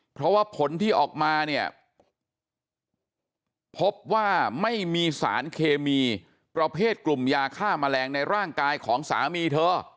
เพราะว่าผลที่ออกมาเนี่ยพบว่าไม่มีสารเคมีประเภทกลุ่มยาฆ่าแมลงในร่างกายของสามีเธอ